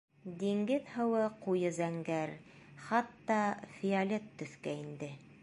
Диңгеҙ һыуы ҡуйы зәңгәр, хатта фиолет төҫкә инде.